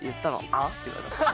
「あっ！？」って言われた。